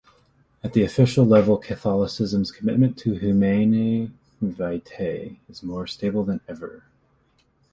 At the official level, Catholicism's commitment to "Humanae Vitae" is more stable than ever.